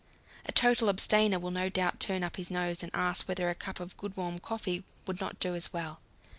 A total abstainer will no doubt turn up his nose and ask whether a cup of good warm coffee would not do as well.